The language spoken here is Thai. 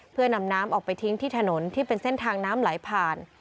เพื่อนำน้ำออกไปทิ้งที่ถนนที่เป็นเส้นทางน้ำไหลผ่าน